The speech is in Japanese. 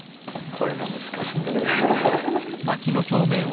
これが難しいんだけどね。